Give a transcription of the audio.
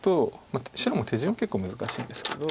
白も手順は結構難しいんですけど。